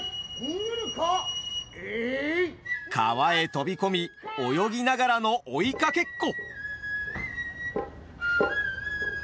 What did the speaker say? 川へ飛び込み泳ぎながらの追いかけっこ！